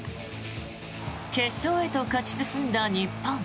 決勝へと勝ち進んだ日本。